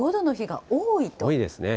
多いですね。